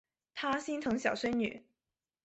他心疼小孙女